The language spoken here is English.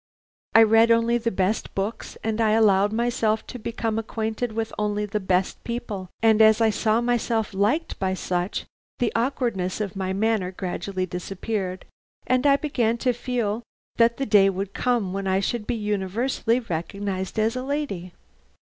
I read only the best books and I allowed myself to become acquainted with only the best people, and as I saw myself liked by such the awkwardness of my manner gradually disappeared, and I began to feel that the day would come when I should be universally recognized as a lady.